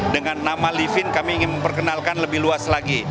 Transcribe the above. dengan nama livin kami ingin memperkenalkan lebih luas lagi